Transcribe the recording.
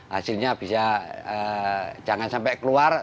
hasilnya bisa jangan sampai keluar